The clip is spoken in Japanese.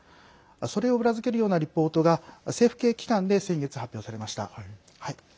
それを裏付けるようなリポートが政府系機関で先月、発表されました。